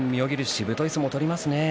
しぶとい相撲を取りますね。